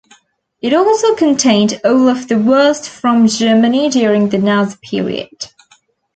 It also contained all of the worst from Germany during the Nazi period.